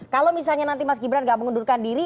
kalau misalnya nanti mas gibran nggak mengundurkan diri